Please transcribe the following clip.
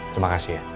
terima kasih ya